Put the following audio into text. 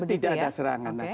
tidak ada serangan